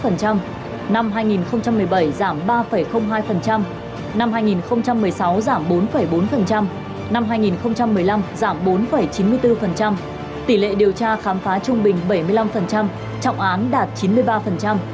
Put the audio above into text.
năm hai nghìn một mươi tám giảm sáu mươi một năm hai nghìn một mươi bảy giảm ba hai năm hai nghìn một mươi sáu giảm bốn bốn năm hai nghìn một mươi năm giảm bốn chín mươi bốn tỷ lệ điều tra khám phá trung bình bảy mươi năm trọng án đạt chín mươi ba